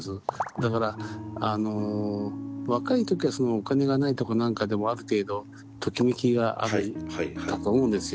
だから若い時はお金がないとか何かでもある程度ときめきがあるかと思うんですよ